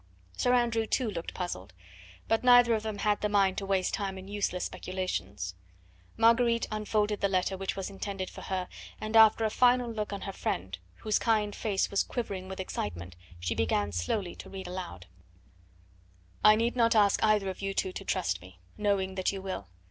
Sir Andrew too looked puzzled. But neither of them had the mind to waste time in useless speculations. Marguerite unfolded the letter which was intended for her, and after a final look on her friend, whose kind face was quivering with excitement, she began slowly to read aloud: I need not ask either of you two to trust me, knowing that you will.